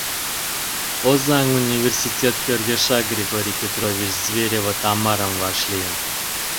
Озаҥ университет кӧргешак Григорий Петрович Зверева Тамарам вашлийын.